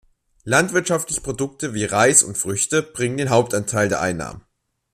Landwirtschaftliche Produkte, wie Reis und Früchte, bringen den Hauptanteil der Einnahmen.